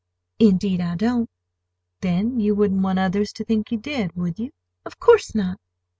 "Indeed I don't!" "Then you wouldn't want others to think you did, would you?" "Of course not!"